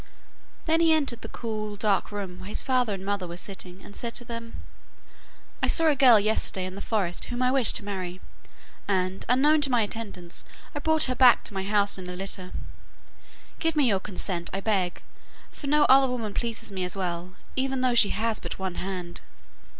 Then he entered the cool, dark room where his father and mother were sitting, and said to them: 'I saw a girl yesterday in the forest whom I wish to marry, and, unknown to my attendants, I brought her back to my house in a litter. Give me your consent, I beg, for no other woman pleases me as well, even though she has but one hand!